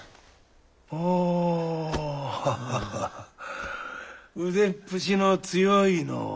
ほうホホホ腕っぷしの強いのを？